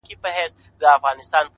دا مي سوگند دی،